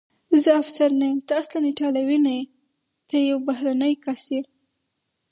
زه افسر نه یم، ته اصلاً ایټالوی نه یې، ته یو بهرنی کس یې.